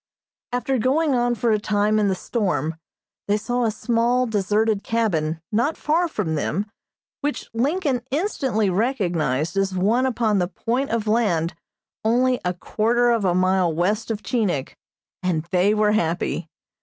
After going on for a time in the storm, they saw a small, deserted cabin not far from them which Lincoln instantly recognized as one upon the point of land only a quarter of a mile west of Chinik, and they were happy.